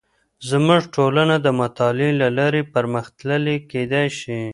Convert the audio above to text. زموږ ټولنه د مطالعې له لارې پرمختللې کیدې شي.